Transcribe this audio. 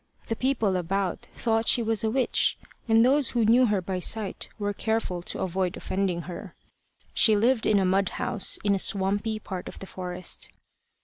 The people about thought she was a witch, and those who knew her by sight were careful to avoid offending her. She lived in a mud house, in a swampy part of the forest.